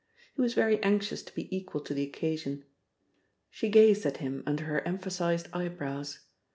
He was very anxious to be equal to the occasion. She gazed at him under her emphasized eyebrows.